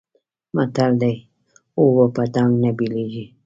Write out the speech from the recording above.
متل دی: اوبه په ډانګ نه بېلېږي.